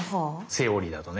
セオリーだとね。